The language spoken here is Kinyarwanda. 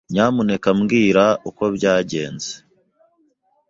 Nyamuneka mbwira uko byagenze.